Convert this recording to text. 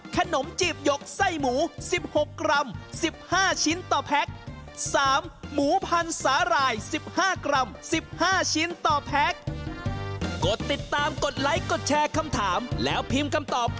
๒ขนมจีบหยกไส้หมู๑๖กรัม๑๕ชิ้นต่อแพ็ค